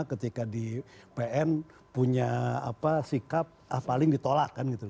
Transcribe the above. ketika di pn punya sikap paling ditolakkan gitu